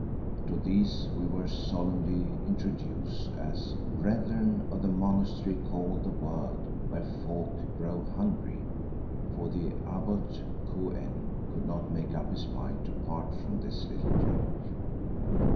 To these we were solemnly introduced as "Brethren of the Monastery called the World, where folk grow hungry," for the abbot Kou en could not make up his mind to part from this little joke.